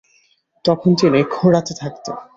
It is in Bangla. তখন তিনি খোঁড়াতে থাকেন।